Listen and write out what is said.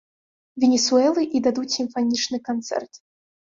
Венесуэлы і дадуць сімфанічны канцэрт.